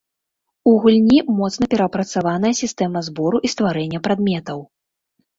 У гульні моцна перапрацаваная сістэма збору і стварэння прадметаў.